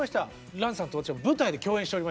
蘭さんと私は舞台で共演しておりまして。